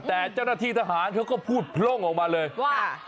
แต่เจ้าหน้าที่ทหารเขาก็พูดพร่งออกมาเลยว่า